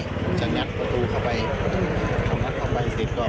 ผมจะงัดประตูเข้าไปถามว่าเข้าไปอีกสิบ